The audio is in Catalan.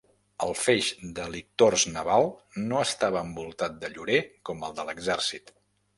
El feix de lictors naval no estava envoltat de llorer com el de l'Exèrcit.